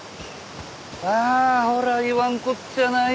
ああほら言わんこっちゃない。